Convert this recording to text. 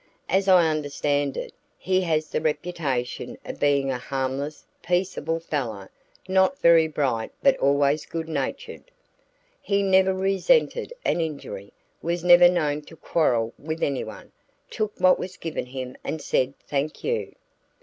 As I understand it, he has the reputation of being a harmless, peaceable fellow not very bright but always good natured. He never resented an injury, was never known to quarrel with anyone, took what was given him and said thank you.